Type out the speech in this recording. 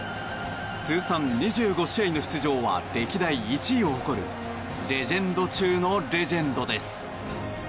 通算２５試合の出場は歴代１位を誇るレジェンド中のレジェンドです。